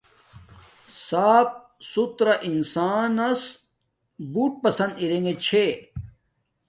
صاف ستھرا انسان نس بوٹے پسن ارنݣ چھے